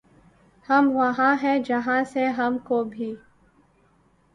ہم وہاں ہیں جہاں سے ہم کو بھی